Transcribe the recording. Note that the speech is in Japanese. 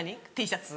Ｔシャツ。